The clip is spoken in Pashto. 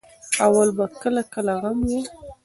اول به کله کله غم وو.